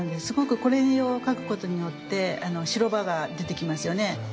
すごくこれを描くことによって白場が出てきますよね。